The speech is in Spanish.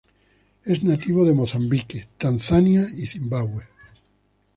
Es nativo de Mozambique, Tanzania, y Zimbabue.